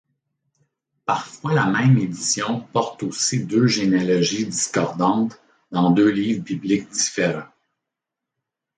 Parfois la même édition porte aussi deux généalogies discordantes dans deux livres bibliques différents...